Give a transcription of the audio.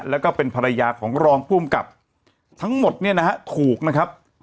แล้วก็เป็นภรรยาของรองภูมิกับทั้งหมดเนี่ยนะฮะถูกนะครับ